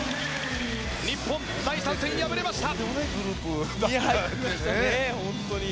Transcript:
日本、第３戦敗れました。